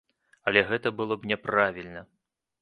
Але гэта было б няправільна.